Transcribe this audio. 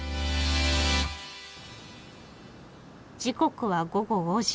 時刻は午後５時。